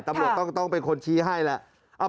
ตำรวจต้องเป็นคนชี้ให้แหละ